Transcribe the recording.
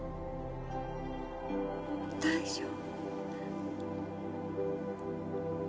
大丈夫。